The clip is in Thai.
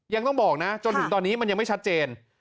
ยังต้องบอกนะจนถึงตอนนี้มันยังไม่ชัดเจน